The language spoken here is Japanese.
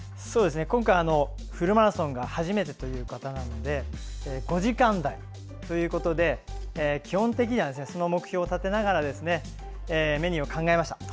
今回フルマラソンが初めてという方なので５時間台ということで基本的にはその目標を立てながらメニューを考えました。